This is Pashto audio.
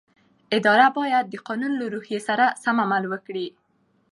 اداره باید د قانون له روحیې سره سم عمل وکړي.